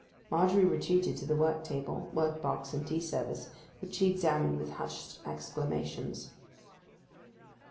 Margery retreated to the work table, work box, and tea service, which she examined with hushed exclamations.